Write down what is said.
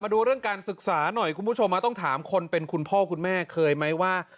ดูเรื่องการศึกษาหน่อยคุณผู้ชมต้องถามคนเป็นคุณพ่อคุณแม่เคยไหมว่า